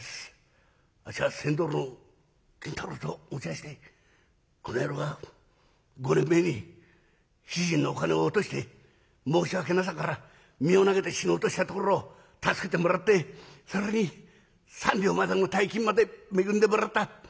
あっしは船頭の金太郎と申しましてこの野郎が５年前に主人のお金を落として申し訳なさから身を投げて死のうとしたところを助けてもらって更に３両までの大金まで恵んでもらった。